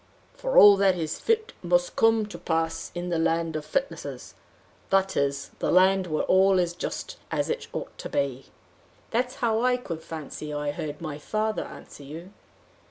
For all that is fit must come to pass in the land of fitnesses that is, the land where all is just as it ought to be.' That's how I could fancy I heard my father answer you."